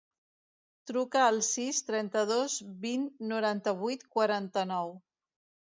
Truca al sis, trenta-dos, vint, noranta-vuit, quaranta-nou.